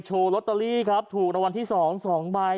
โชว์โรตเตอรี่ครับถูกรวรรณที่๒ใบ